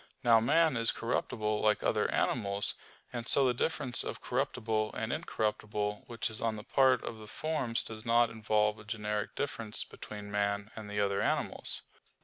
Now man is corruptible like other animals. And so the difference of corruptible and incorruptible which is on the part of the forms does not involve a generic difference between man and the other animals.